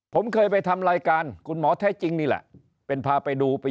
ผมเคยไปทำรายการคุณหมอแท้จริงนี่แหละเป็นพาไปดูไป